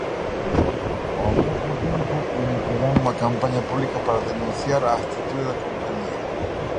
Ao mesmo tempo, iniciarán unha campaña pública para denunciar a actitude da compañía.